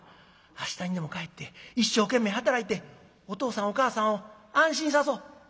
明日にでも帰って一生懸命働いてお父さんお母さんを安心さそう」。